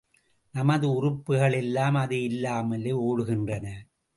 நமது உறுப்புகள் எல்லாம் அது இல்லாமலே ஓடுகின்றன.